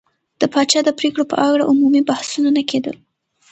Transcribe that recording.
د پاچا د پرېکړو په اړه عمومي بحثونه نه کېدل.